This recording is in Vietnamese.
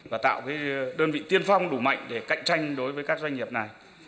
và tạo đơn vị tiên phong đủ mạnh để cạnh tranh đối với các doanh nghiệp này